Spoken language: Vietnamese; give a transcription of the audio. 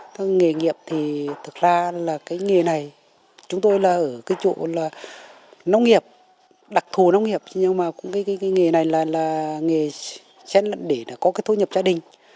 tôi nghề nghiệp thì thực ra là cái nghề này chúng tôi là ở cái chỗ là nông nghiệp đặc thù nông nghiệp nhưng mà cũng cái nghề này là nghề để có cái thu nhập gia đình